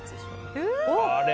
あれ？